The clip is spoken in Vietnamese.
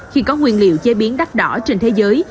khi có nguyên liệu chế biến đắt đỏ trên thế giới